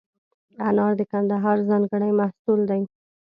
انار د کندهار ځانګړی محصول دی.